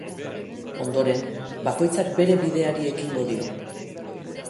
Ondoren, bakoitzak bere bideari ekingo dio.